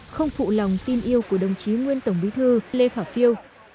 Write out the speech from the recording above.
không phụ lòng tin yêu của đồng chí nguyên tổng bí thư lê khả phiêu